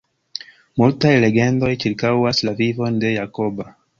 Multaj legendoj ĉirkaŭas la vivon de Jakoba.